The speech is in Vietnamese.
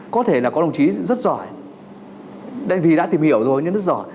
có thể là có đồng chí rất giỏi vì đã tìm hiểu rồi nhưng rất giỏi